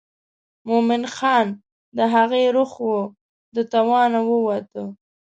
مومن خان د هغې روح و د توانه ووته.